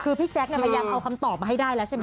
คือพี่แจ๊คพยายามเอาคำตอบมาให้ได้แล้วใช่ไหม